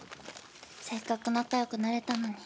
せっかく仲良くなれたのに。